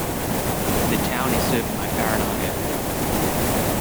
The town is served by Faranah Airport.